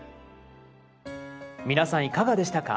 皆さんいかがでしたか？